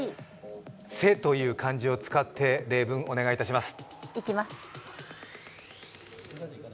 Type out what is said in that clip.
背という漢字を使って名文、お願いします。